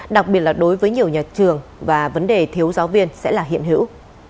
đặc biệt là đối với nhiều nhà trường và vấn đề thiếu giáo viên sẽ là hiện hữu